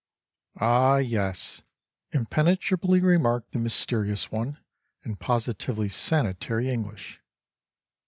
"Ah yes" impenetrably remarked the mysterious one in positively sanitary English.